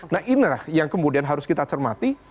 nah inilah yang kemudian harus kita cermati